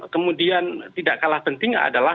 kemudian tidak kalah penting adalah